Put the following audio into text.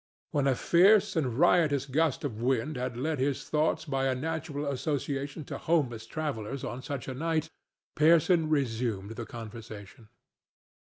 When a fierce and riotous gust of wind had led his thoughts by a natural association to homeless travellers on such a night, Pearson resumed the conversation.